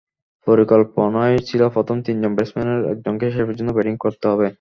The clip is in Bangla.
পরিকল্পনাই ছিল প্রথম তিনজন ব্যাটসম্যানের একজনকে শেষ পর্যন্ত ব্যাটিং করতে হবে।